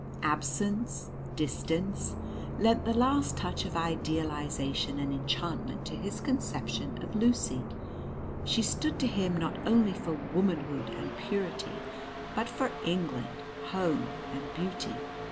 Absence, distance, lent the last touch of idealisation and enchantment to his conception of Lucy. She stood to him not only for Womanhood and Purity, but for England, Home, and Beauty.